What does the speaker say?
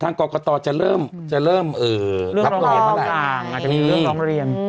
ทางกรกตรจะเริ่มจะเริ่มเอ่อเริ่มร้องเรียนเมื่อไหร่เริ่มร้องเรียน